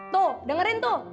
tuh dengerin tuh